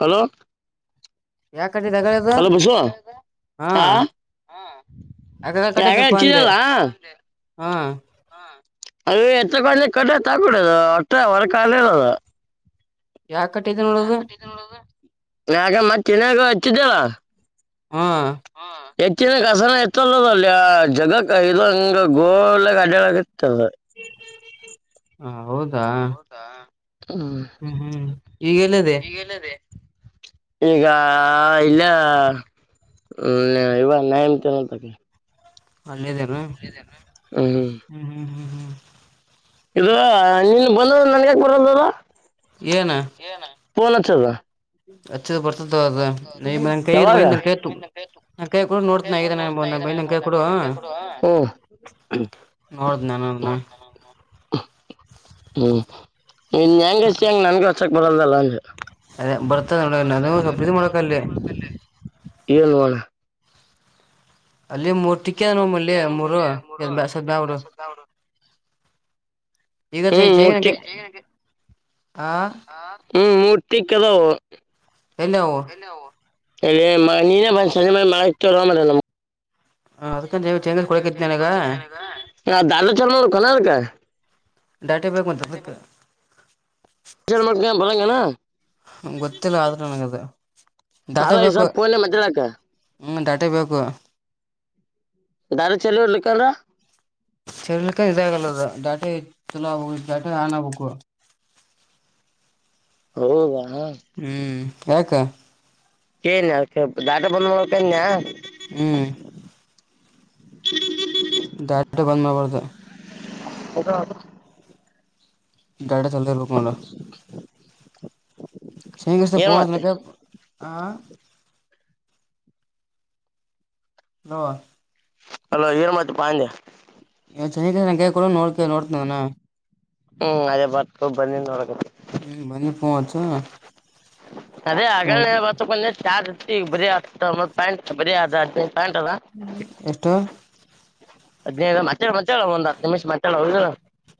Hello [unintelligible] ಯಾಕ ಕಟ್ಟಿದ ಅಗಳದು ಹಲೋ ಬಸು ಹಾ ಹ [inaudible] ಅಗಳ ಯಾಗ ಕಟ್ಟೈತಿಲ್ಪ ಅಂದೆ ಹಚ್ಚಿದಲ್ಲ ಹಾ ಅ ಎತ್ತ ಕ ಕಟ್ಟತ್ ಹಾಕಬಿಡದು ಅಟ್ಟ ಹೊರ ಕಾಲ ಇರದು ಯಾ ಕಟ್ಟಿದೆ ನೋಡದು ಯಗ ಮತ್ತೆ ಇನಯಾಗ ಹಚ್ಚಿದ್ದಲ್ಲ ಹಾ ಹೆಚ್ಚಿನ ಕಸನ ಎತ್ತಲ್ಲದ ಅಲ್ಲಿ ಆ ಜಗಕ್ ಇಂಗ ಗೋಲ್ಲ ಗ ಅಡ್ಡಳ ಆಗಿತ್ತದ ಹಾ ಹೌದು ಹೌದಾ ಹ್ಮ್ ಹ್ಮ್ ಈಗಲ್ಲದೆೇ [unintelligible] ಈಗ ಇಲ್ಲೆ. ಹ್ಮ ಇವಾ [unintelligible] ಅಲ್ಲಿ ಇದೆ ಏನು ಹ್ಮ್ ಹ್ಮ್ ಹ್ಮ್ ಹ್ಮ್. ಇದು ನೀನಗ ಬಂದ ನನ್ಗೆ ಯಾಕ ಬರ ವಲ್ಡು. ಏನ. ಫೋನ್ ಅಚ್ಚು ಅದು. ಅಚಿದರ ಬರ್ತದ ತಗೊ ಅದು [unintelligible] ನ ಕೈ ಯಾವಾಗ ಯಾಗ ಕೊಡ ನೋಡ್ತನ ನೋಡ್ತೀನಿ. ಹ್ಮ್ [unintelligible] ನೋಡ್ತೀನಿ ನಾನು ಅದನ. ಹ್ಮ್ ಇನ್ ಹೆಂಗ ಆಚಿ ಹೆಂಗ ನನ್ಗೆ ಹೊಸಕ್ ಬರಲ್ದಲ್ಲ ಅಂಗಗೆ. ಅದೇ ಬರ್ತದ ಅ ನೋಡ ಬರ್ತ ನಾನು ಸ್ವಲ್ಪ ಇದು ಮಾಡಕ ಅಲ್ಲಿ [unintelligible] ಅಲ್ಲಿ ಮೂರ್ ಟಿಕ್ಕ ನ ಮಲ್ಲಿ ಮೂರು ಸದ ಬೇಡಾ ಬಿಡ್ಡು. ಹ್ಮ್ ಈಗಗ ಮೂರ್ತಿಕ್ [unintelligible] ಹ್ಮ್ ಮೂರ ಟಿಕ್ಕಿ ಅದಾವ ಪಾ. ಎಲ್ಲವು. ಎಲ್ಲೇ ನೀನೆ ಸಂಜೆ ಮೇಲೆ ಮಾಡ್ತೀಯ ಅಲ್ಲ ನಮಗೆ. ಅದ. [unintelligible] ದಾಟಿ ಬೇಕು ಮತ ಅದಕ್ಕೂ. [unintelligible] ಹ್ಮ್ಮ್ ಗೊತ್ತಿಲ್ಲ ಆದ್ರೆ ನನಗ ಅದು ಡಾಟಾ ಅಲ್ಲ ಈ ಬೇಕು. ಸ್ವಲ್ಪ ಫೋನ್ ಮಾತಾಡಕ ಹ್ಮ ಡಾಟ ಬೇಕು. ಡಾಟಾ ಚೆಲ್ಲುವ ಇರಲಿಕಂದ್ರ. [unintelligible] ಹೌದ. ಹ್ಮ್ ಯಾಕ. ಏನ ಯಾಕ ಡಾಟಾ ಬಂದ ಮಾಡಬೇಕು ಅಂದಾನೆ. ಹ್ಮ್. [unintelligible] ಡಾಟಾ ಬಂದ ಮಾಡಬಾರದು. [unintelligible] ಡಾಟಾ ಚಾಲು ಇರಬೇಕು ನೋಡು. ಏನ್ ಮಾತೆ [unintelligible] ಹ್ಮ್ಮ್. ಹಲೋ. ಹೆಲೋ ಏನು ಮತ್ತೆ ಪಾ ಅಂದೆ. ಚಂಚೆ ಕಡೆ ನನ್ನ ಕೈ ಯಾಕ ಕೊಡು ನೋಡ್ತೀನಿ. ಹ್ಮ್ ಅದೇ ಬರ್ತು ಬಂದಿನ ನೋಡಕ ಹ್ಮ್ಮ್ ಬಂದಿದ ಪೋನ್ ಅಚ್ಚು. ಅದೇ ಆ ಗಲಾನೇ ಆಚಬೇಕೂ ಅನಕೊನೆ ಚಾರ್ಜ್ ಇಟ್ಟು ಬರಿ ಹಾತೊಂಬತ್ತು ಪಾಯಿಂಟ್ ಬರಿ. ಹ್ಮ ಎಷ್ಟು. ಹದಿನೈದು ಮತ್ತೆ ಮತ್ತೆ ಒಂದ ಹತ್ತು ನಿಮಿಷ ಮಾತಾಡೋಣ ಹೌದು ಇಲ್ಲ.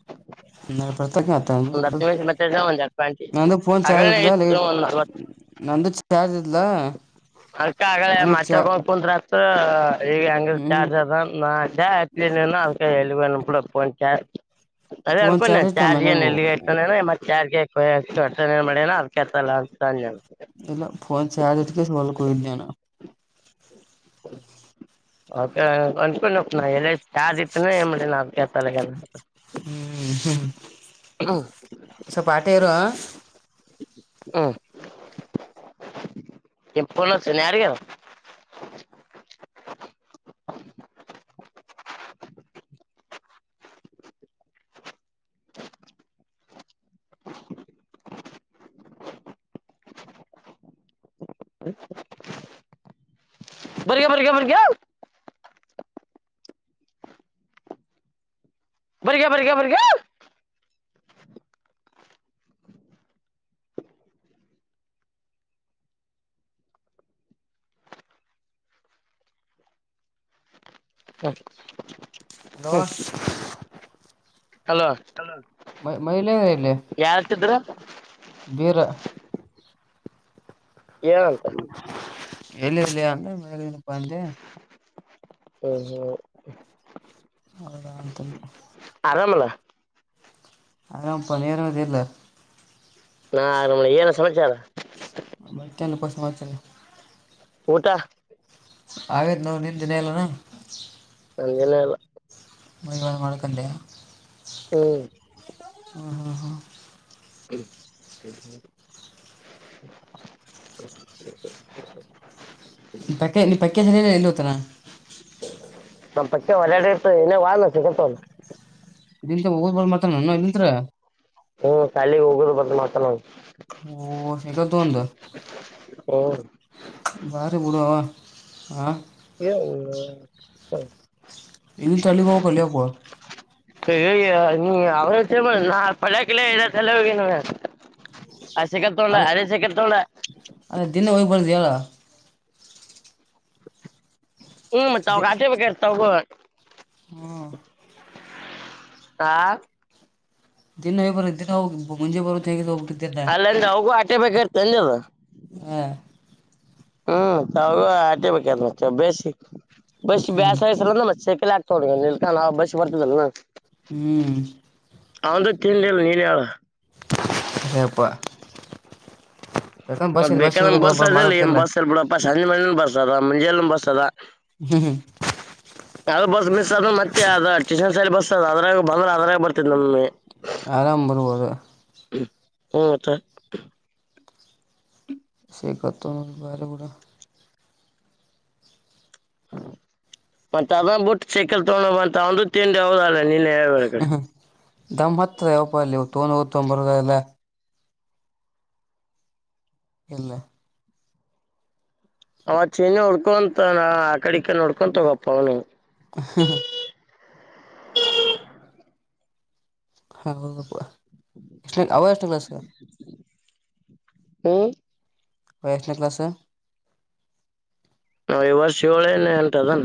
[inaudible] [unintelligible] ನಿಮಿಷ ಮಾತಾಡ ಒಂದ್ ಟ್ವೆಂಟಿ ನಂದು ಫೋನ್ ಚಾರ್ಜ್ ಹಗಳೇ ಇದಿಲ್ಲ ಇಂದಗಡೆ. ಇತ್ತು ಒಂದ್ ನಲ್ವತ್ತು ನಂದು ಚಾರ್ಜ ಇಲ್ಲ. ಅದಕ್ಕ ಆಗಲೇ ಮಾತಾಡಕೊಂಡು ಕುಂತ್ತ್ರ ಆಯ್ತು ಈಗ ಎಂಗ ಇದ್ರೂ ಹ್ಮ್ ಚಾರ್ಜ್ ಆದ. [unintelligible] [inaudible] ಅದೇ ಫೋನ್ ಅನ್ಕೊಂಡ ಚಾರ್ಜ್ ಇತ್ತ ಚಾರ್ಜ ಏನ್ ಮನ್ಯಾಗ ಎಲ್ಲಿಗೆ ಹೋಗಿರತನ ಮತ್ತ ಚಾರ್ಜ. ಏ ಒಟ್ಟ ಏನ ಮಾಡೇನ ಅದಕ ಏತಲ್ಲ ಅಂತ. ಇಲ್ಲ ಫೋನ್ ಚಾರ್ಜ್ ಇಟ್ಟಕೆಸಿ ಹೋಲಕ ಹೋಗಿದೆ. ಅಂದುಕೊಂಡೆ ನಾ ಎಲ್ಲೇ ಚಾರ್ಜ್ ಇಟ್ಟನ ಅದಕ್ಕ ಎತವಲ್ಡು ಅಗೆನಾ. ಹ್ಮ್ ಹ್ಮ್ ಹ್ಮ್ ಸ್ವಲ್ಪ ಅಟ್ಟೆ ಇರು. ಹಾ ಕೆಪ್ಪಲಸನ್ ಯಾರಿಗೆ ಹ ಹ ಬಗಿಯ ಬರ್ಗಿಯ ಬಗಿಯ ಬರ್ಗ ಬರ್ಗ ಬರ್ಗ ಅಲೋ ಹಲೋ [inaudible] ಮ ಮಹಿಲೆಯ ಅಲ್ಲ ಯಾಳ್ತಿದ್ರ ಏನಂತ ಎಲ್ಲಿ ಎಲ್ಲಿ ಅಂದ್ರೆ ಮೇ ಹಓ ಹೋ ಹೌಂತ ಆರಾಮಲ್ಲ ಆರಾಮ ಪನರಾಮದರ್ಲ್ಲ ನಾ ಆರಾಮ ಏನ ಸಮಾಚಾರ ಕೆಲ್ಲ ಪಸ ವಚನೆ ಊಟಾ ಆೇತ್ ನಾವು ನಿಂದ ದಿನ ಎಲ್ಲನಾ ನಂಜನೇ ಅಲ್ಲ ಮವಾದ ಮಾಡ ಕಂದ ಹ್ಮ್ ಹಾ ಹಾ ಹಾ ಹ್ಮ ಹ ಪಕ್ಕೆ ನೀನ್ ಪಕ್ಕ ಸರಿ ಎಲ್ಲಿ ಹೋಗತಾರ ನಮ್ಮ್ ಪಕ್ಕೆ ಹೊಡಾಡಿ ಇತ್ತು ಏನೇ ವಲ್ಲ್ಲ ಸಿಗತ್ ಅವರು ಇದ ಊದಬಳ ಮಾತ್ರ ನಾನ ಇಲ್ಲಿತ್ತ್ರ ಹ್ಮ್ ಶಾಲಗ್ ಹೋಗುದು ಬರ್ ಮತ್ತ ನ ಓ ಈಗ ತಂದು ಹ ಭಾರಿ ಬಿಡವಾ ಆಾ ಯ ಹ ಇಲ್ಲಿ ತಳಿಗ ಹಕಲ್ಲಿಯಪ್ಪ ನೀ ಅವ ನಾ ಪಡಕಿಲ್ಲ ಇಲ್ಲ ಸಲ ಹೋಗನು ಆ ಸೆಕ್ಕ ತೋಣ್ಣ ಅಲ್ ಅರೆಸೆಕ್ಕ ತೋಣ್ಣ ಅಲ್ಲ ದಿನ ಹೋಗಿ ಬರೋದು ಹೇಳ ಹ್ಮ್ ತಾವ ಕಚ ಬ ಕ ತಗ ಹ್ಮ್ ಹಾ ದಿನ ಹೇ ಬರ ದಿನ ಹೋಗ ಮುಂಜೆ ಬರೋದು ಹೇಗ ಹೋಗ ಅಲ್ಲಂದ್ರ ಅವಗೂ ಆಟೆ ಬೇಕರ್ತ ಅಂದಲ್ ಹ ಹ್ಮ್ ತ ಆಟಿಬೇಕಾದ ಮತ್ತೆ ಬೇಸಿ ಬಸ್ ಹ್ಮ್ ಬೇಾಸಾಯಸ ಅ ಮ ಚೆಕಲಿ ಆಗ್ತಾೋ ಇಲ್ಕ ಬಸ್ ಬರ್ತದಲ್ಲ ಹ್ಮ್ ಅವಂದು ತಿನ್ಲ್ಲ ನೀನ್ ಹೇಳ ಹೇಪ್ಪ ಮತ್ತ ಬೇಕಂದಂಗ್ ಬಸ್ ಅದಲ್ಲ ಏನ್ ಮಾಡಬೇಕಲ್ಲ ಬಸ್ ಅಲ್ ಬಿಡಪ್ಪಾ ಸಂಜೆ ಮನ್ಣಲಿ ಬಸ್ ಅದ ಮಂಜೇಲ್ ಬಸ್ ಅದ ಹ್ಮ್ ಹ್ಮ ಅಾವ ಬಸ್ ಮಿಸ್ ಆದ್ರೆ ಮತ್ತೆ ಅದ ಟ್ಯೂಷನ್ ಸಲಿ ಬಸ್ ಅದ ಅದಾಗ ಬಂದ್ರ ಅದ್ರಾಗ ಬರ್ತ್ ನಮಗೆ ಆರಾಮ್ ಬರ್ಬೋದು ಹ್ಮತ್ತ ಶೇಗತ್ತು ಬರೆ ಕೂಡ ಮತ್ತ ಅದ ಬಿಟ್ಟ ಸೈಕಲ್ ತೊೊಂಡಬ ಅಂತ ಒಂದು ತಿಂಡಿ ಹೌದ ಹ್ಮ್ ಹ್ಮ್ ದಮ್ಮ್ ಹತ್ತದ ಯಾವಪ್ಪ ಅಲ್ಲಿ ತೊಂಡಗತ್ಡ್ ಬರುದಲ್ಲ ಇಲ್ಲ ಅವ ಚಿಹನ್ನ ಉಡ್ಕೊಂತ ನ ಆ ಕಡಕ್ಕ ನೋಡ್ಕೊಂತ ಗಪ್ಪ ಅವನ ಹ ಹ ಹೌ ಆವಾಜಟಲ ಸಗ ಹ್ಮ್ ವಯಸ್ನ ಕ್ಲಾಸ್ ನ ಈ ವರ್ಷಿ ಹಳನೆೇ ಉಂಟದಾನ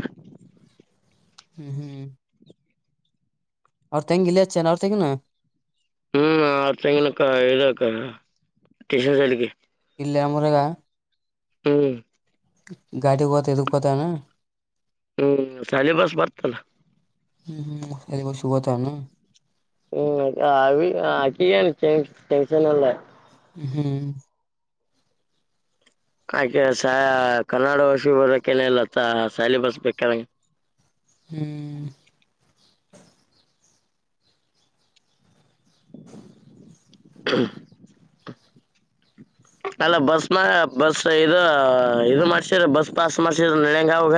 ಹ್ಮ್ ಹ್ಮ್ ಅವ ತಂಗೆಲ ಅವ ತಗನು ಹ್ಮ್ ಆರ್ ತಂಗನಕ್ಕ ಇದಕ್ಕ ಟ್ಯೂಷನ್ ಸಲಿಗೆ ಇಿಲ್ಲ ಮುರಗ ಹ್ಮ್ ಗಾಡಿ ಕೊತ್ತ ಇದದು ಕತಾನ ಹ್ಮ್ ಸಾಲಿ ಬಸ್ ಬರ್ತಲ್ಲ ಹ್ಮ ಹ್ಮ್ ಸುಭ ತಾನ ಹ್ಮ್ ಆ ಟನ್ಷನ್ ಅಲ್ಲ ಹ್ಮ್ ಆಕೆ ಕನ್ನಡ ಭಾಷಿ ಬದಕ್ಕೇನಲ್ಲತ್ತ ಸ್ಯಾಲ ಬರ್ಸ್ಬೇಕಗೆ ಹ್ಮ್ ಹ್ಮ ಅಲ್ಲ ಬಸ್ ಮ ಬಸ್ ಇದು ಇದು ಮಾಡ್ಸ್ರ ಬಸ್ ಪಾಸ್ ಮಾಡ್ಸಿದ್ರ ನೆಣಂಗ ಅವಾಗ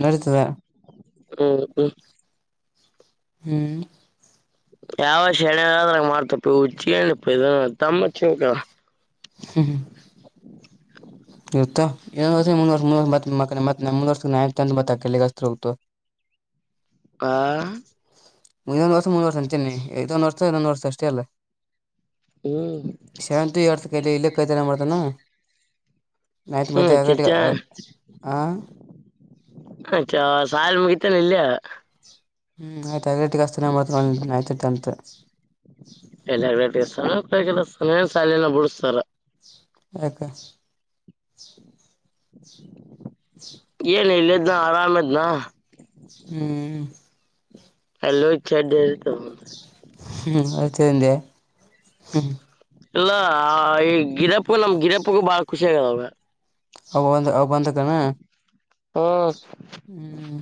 ನಡತದೆ ಹ್ಮ್ ಹ್ಮ್ ಹ್ಮ್ ಯಾವ ಶಣೆದ್ರಾಗ ಮಾಡ್ತಪ್ಪ ಹುಚ್ಚಿನಪ್ಪ ಇದ ತಮ್ಮ ಶಕಲ್ಲ ಹ್ಮ ಇತ್ತ ವರ್ರ್ರ್ ಮಳತ್ತೆಂದ ವರ್ಷ ನಂದ ಮತ್ತ ಕೆಗಸ್ ಹೋಗತು ಆ ಮುಂದೊಂದ ವರ್ ಮು ಮೂಂದ ವರ್ಷ ಅಂತೇನೆಐದ ಒಂದ್ ವರ್ಷ ಇ ಇದೊಂದ್ ವರ್ಷ ಅಷ್ಟೇ ಅಲ್ಲ ಹ್ಮ್ ಶ್ಯಂತಿ ಯರ್ತ ಕಲ್ಲಿ ಇಲ್ಲ ಕೈತಾನ ಮಾಡ್ತಾನ ನೈಟ್ ಹ್ಮ್ ಮಧ್ಯೆ ಅಗಡೆಗ ಹಾ ಅ ಚಾ ಸಾಯಾಲ ಮುಗಿತೇನೆ ಇಲ್ಲಯ ಹ್ಮ್ ಆಯ್ ಐದಲೆಟಗೆಸ್ನೇ ಮಾಡ್ತ ಆಯ್ತಟೆಂತ್ ಎಲ್ಲಲ್ಲ ಸ ಶಾಲಿಯ ಬಿಡಿಸತಾರ ಆ ಏನ ಇಲ್ಲಜ ನ ಆರಾಮದ ನ ಹ್ಮ್ ಎಲ್ಲೂ ಇ ಚೆಡ್ಡ ಹ್ಮ ಅತಂದ ಹ್ಮ ಇಲ್ಲ ಈ ಗಿರಪ್ಪ ನಮ್ ಗಿರಪ್ಪಗೂ ಬಾಳ ಖುಷಿ ಆಗದಾಗ ಅವ ಬಂದ ಅವ ಬಂದ ಕಣ ಹ್ಮ ಹ್ಮ್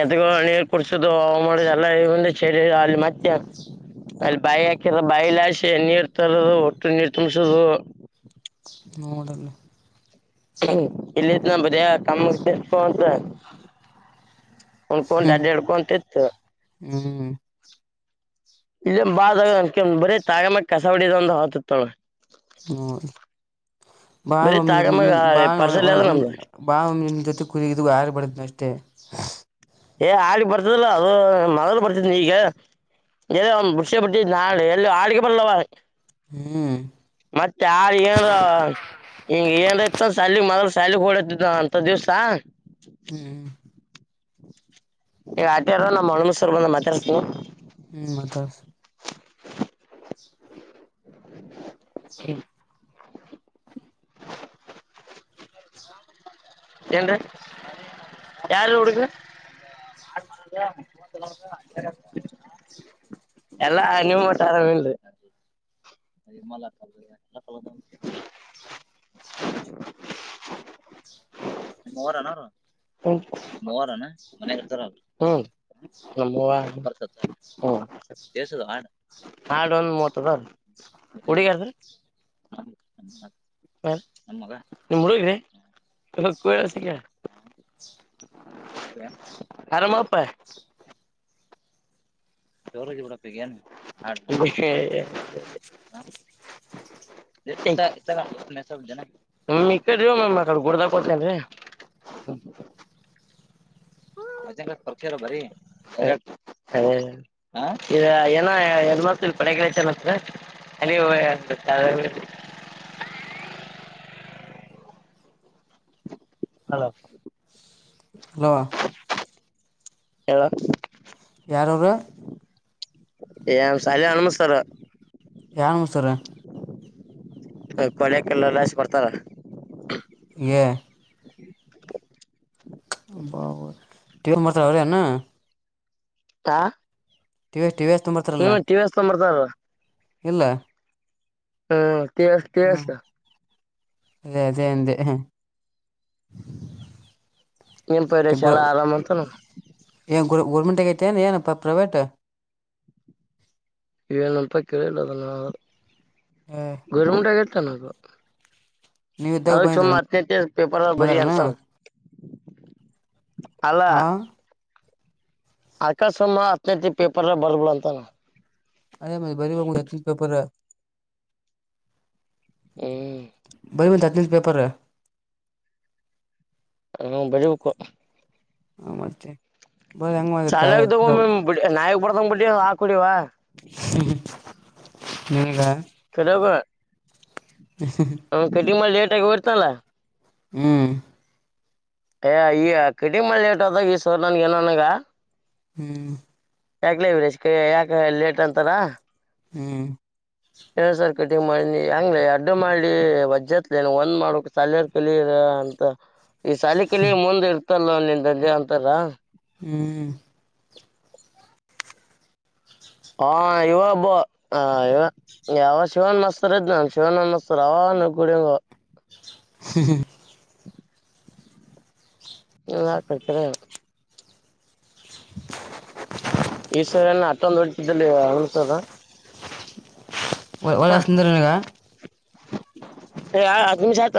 ಎತ್ಗ ನೀರ್ ಕುಡ್ಸುದು ಮಾಡುದು ಎಲ್ಲ ಒಂದು ಚರಿ ಅಲ್ಲಿ ಮತ್ತೆ ಅಲ್ಲಿ ಬಾಯಿ ಹಾಕರ ಬಾಯಿಲಶ ನೀರ್ ತರದು ಒಟ್ಟು ನೀರು ತುಂಬಸದು ನಡಲ್ಲಿ ಇಲ್ಲಿ ಇನ ಬಿಯ ಕಾಮ ಪಂತ ಹನ್ಕಂತಾ ಹ್ಮ್ ರೆಡ್ ಕಂತ ಇತ್ತು ಹ್ಮ್ ಇಲ್ಲ ಬಾಕ ಬರೀ ತಾಗಮ್ಮ ಕಸ ಹೊಡಿದ ಒಂದ ಹತತೋಳ ಬ ಬರೀ ತಾಗಮ್ಯಾಗ ಬ ಪಾರ್ಸಲ್ ಅದ ನಮ್ದು ಬಾನ ಒಮ ಜೊತೆ ಕಲಗಿದ ಆರ್ಬಡದನ ಅಷ್ಟೇ ಏ ಹಳಿ ಬರ್ತದಲ್ಲ ಅದು ಮೊದಲು ಬರ್ತದ ಈಗ ಎ ಒಂದ್ ಮುಡ್ಿ ಬಿಟ್ಟಿದ್ದ ನಾಳೆ ಎಲ್ಲಿ ಹಾಡಿಗೆ ಬರ್ಲ್ಲವ ಹ್ಮ್ ಮತ್ತ ಯಾರ ಏನರ ಹಿಂಗ ಏನ್್ತ ಸಾಲ ಮೊದಲ ಸಾಲ ಹ ಹೊೋಡ ಅಂತ ದಿವ್ಸಾ ಹ್ಮ್ ಈಗ ಆಟೆಾರ ನಮ್ಮ್ ಮಣ್ಮ ಸವರ್ಗ ಒಂದ್ ಮಾತಾಡ್ತೀಿ ಹ್ಮ್ ಮತ್ತ ಹ್ಮ್ ಎಟ ಯಾರ ಹುಡುಗ ನಾ ಮಾಡಲ ಎಲ್ಲಾ ನೀವು ಮಟ್ಟ ಆರಾಮ ಇಲ್ ಅ ಮಲ [inaudible] [unintelligible] ಮೂರ ಅನಾರ ಹವಾರ ಮತ ಹರ್ತ ಹ ದಸದ ಹಡು ಹಾಡು ಒಂದು ಮೂವತ್ತ ಅದ ರೀ ಕುಡಿಗಾರ್ದ ಹ ನಿ ಮುಗಿ ಕೇಳ ಸಿಕ್ಕ ಹರಾಮಪ್ಪ [unintelligible] [inaudible] ಈ ಕಡಡೆ ಗುಡದಾಗ ಕೊಟ್ನ್ ಹ ಮರ್ತರ ಬರಿ ಏ ಸ್ವಲ್ಪಡೆ ಕಡೆ ಚಲ ಅ [inaudible] ಹಲೋ ಹಲ ಹೇಳ ಯಾರರ ಏ ಶಾಲ ಅನುಮ್ತಾರ ಯಾರ ಮಸಾರ ಕೊಳೆಕಲ್ಲಲ್ಲಷ್ಟ ಬರ್ತಾರ ಹ ಬ ತೀರ್ ಮತ್ರ ಅರ್ಣ ಹಾ ಟಿವ ಟಿವಸ್ ಹ್ಮ್ ಟಿವ ವಿ ಎಷ್ಟಕೊಂಬರ್ತಾರ ಇಲ್ಲ ಹ್ಮ ಕೆ ಹ ಕೆಸ ಅದೇ ಅದೇ ಅಂದ ನಿ ಪೈರೇಶ ಎಲ್ಲ ಆರಾಮ ಅಂತನು ಗೋರ್ಮೆಂಟ್ಗತ ಏನು ಪ್ರೈವೇಟ್ ಏನಪ್ಪ ಕೇಳಿಲ್ಲದ ನ ಗರ್ಮುಟಗತ್ತ ನಗು ನೀವ ಇದ್ದಾಗ ಹದಕ ಬಂದಿದ್ರ ಸೋಮತ್ತೆತ್ತಿ ಪೇಪರ್ ಭರಿ ಬಂದಾರನ ಅಂತನ. ಅಲ್ಲ ಹಾ ಆಕಾಶಮ್ಮ ಹತ್ತನೇತ್ತ ಪೇಪರ್ ಬರ್ದಬುಡು ಅಂತನ ಅವ್ನು. ಅ ಬರಿ ಬೆಡ ಆಕಿ ಪೇಪರಾಗ. ಹ್ಮ್ [unintelligible] ಪೇಪರ್ ಹ್ಮ ಬರಬೇಕು. ಹ ಮತ್ತೆ. ಬರ ಶಾಲೆಯಾಗಿದ್ದಾಗ ಹೆಂಗ ಒಮ್ಮೆ ಬಡಿ ನಾಯಗ್ ಬಡಿಯವಾ ಹಾಕೊಡಿವ. ನಿನಗ ಚಲೋಗಾ ಅವ ಕಟಿಂಗ್ ಮಾಡಿ ಲೇಟ್ ಆಗಿ ಹಯರ್ತಲ್ಲ. ಹ್ಮ್ ಏ ಈ ಕಟಿಂಗ್ ಮಾಡಿ ಲೇಟಾದಾಗ ಈ ಸವರ್ ನನ್ ಏನನ್ಗ. ಹ್ಮ್ ಯಾಕ್ಲೇ ವರೇಶ್ ಯಾಕ ಲೇಟ್ ಅಂತಾರ. ಹ್ಮ್ ಸರ್ ಕಟಿಂಗ್ ಮಾಡಿ ಹೆಂಗ ಅಡ್ಡು ಮಾಡಿ ವಜ್ಜತ್ಲ ಒಂದ್ ಮಾಡಕ್ ಸಾಲರ್ ಕಲಿ ಅಂತ ಈ ಸಾಲಿ ಕಲಿ ಮುಂದೆ ಇರ್ತಲ್ಲ ನಿನ್ ದಂಜೆ ಅಂತಾರ. ಹ್ಮ್ ಹಾ ಇವಬ್ಬ ಇ ಯಾವ ಶಿವನ್ ಮಸ್ತರ್ದ್ ಇದ್ನ ಶಿವನ್ ಮಸ್ತರ್. ಶ್ರಾವ ನ ಕುೂಡ್ಯಂಗ. [unintelligible] [inaudible] ಈ ಸ್ವರ ಅತ್ತೊಂದು ಹೊಡ್ತಿದ್ದಲ್ಲಿ ಹನಸದ. ಒಳ್ಳ ಸುಂದರನಗ. ಹ ಹತ್ ನಿಮಷ ಆತ.